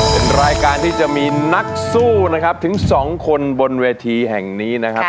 เป็นรายการที่จะมีนักสู้นะครับถึง๒คนบนเวทีแห่งนี้นะครับ